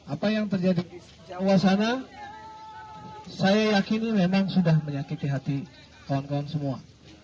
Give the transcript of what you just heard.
apa yang terjadi di jawa sana saya yakini memang sudah menyakiti hati kawan kawan semua